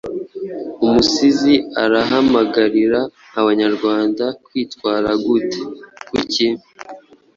Umusizi arahamagarira Abanyarwanda kwitwara gute? Kuki